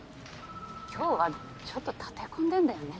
今日はちょっと立て込んでんだよね。